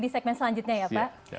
di segmen selanjutnya ya pak